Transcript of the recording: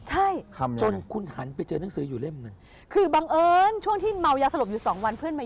ใช่คำนึงอะไรคำนึงอะไร